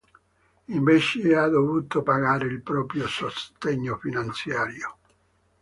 Invece, ha dovuto pagare il proprio sostegno finanziario.